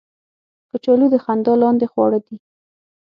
کچالو د خندا لاندې خواړه دي